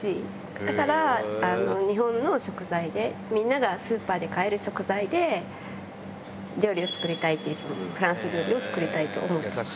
だから日本の食材で、みんながスーパーで買える食材で、料理を作りたいって、フランス料理を作りたいって思ってて。